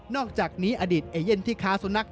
อกจากนี้อดีตเอเย่นที่ค้าสุนัข